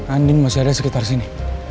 angin masih ada sekitar sini